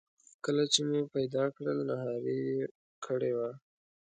کله چې مو پیدا کړل نهاري یې کړې وه.